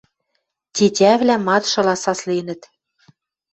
Тетявлӓ мадшыла сасленӹт.